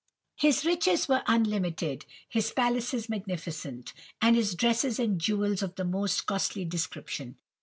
"His riches were unlimited, his palaces magnificent, and his dresses and jewels of the most costly description.